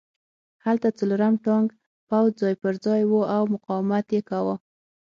هلته څلورم ټانک پوځ ځای پرځای و او مقاومت یې کاوه